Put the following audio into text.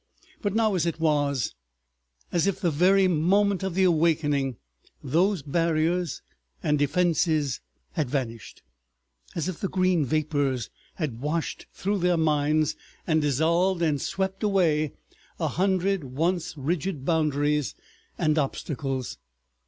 But now it was as if the very moment of the awakening those barriers and defences had vanished, as if the green vapors had washed through their minds and dissolved and swept away a hundred once rigid boundaries and obstacles.